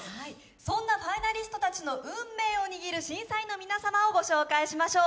そんなファイナリストたちの運命を握る審査員の方たちをご紹介しましょう。